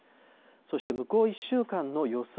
そして向こう１週間の予想